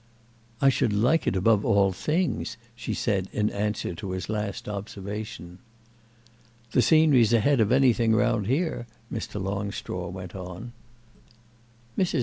"I should like it above all things," she said in answer to his last observation. "The scenery's ahead of anything round here," Mr. Longstraw went on. Mrs.